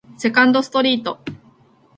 セカンドストリート